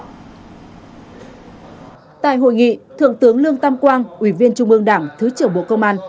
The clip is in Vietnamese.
tại hội nghị thượng tướng lương tam quang ủy viên trung ương đảng thứ trưởng bộ công an